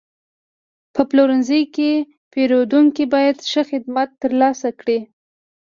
په پلورنځي کې پیرودونکي باید ښه خدمت ترلاسه کړي.